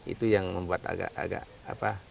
itu yang membuat agak agak apa